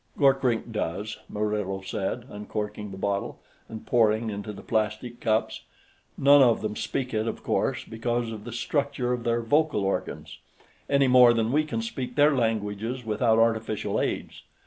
"Gorkrink does," Murillo said, uncorking the bottle and pouring into the plastic cups. "None of them can speak it, of course, because of the structure of their vocal organs, any more than we can speak their languages without artificial aids.